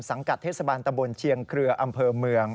กัดเทศบาลตะบนเชียงเครืออำเภอเมือง